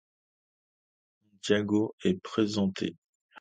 Santiago est présenté.